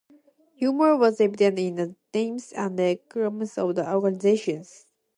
Humour was evident in the names and acronyms of the organizations.